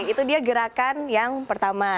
itu dia gerakan yang pertama